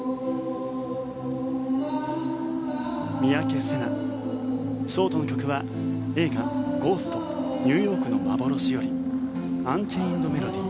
三宅星南、ショートの曲は映画「ゴースト／ニューヨークの幻」より「アンチェインド・メロディ」。